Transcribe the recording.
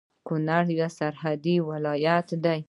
کونړ يو سرحدي ولايت دی